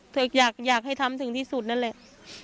อยากให้ทำถึงที่สุดนั่นแหละ